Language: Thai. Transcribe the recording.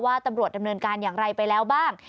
ว่าตำรวจดำเนินการอย่างไรไปแล้วบ้าง